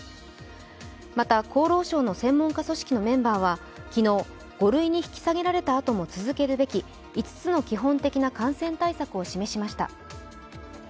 また、厚労省の専門家組織のメンバーは昨日５類に引き下げられたあとも続けるべき５つの基本的な感染対策を示しました。